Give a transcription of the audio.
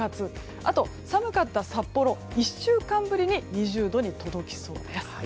あと、寒かった札幌１週間ぶりに２０度に届きそうです。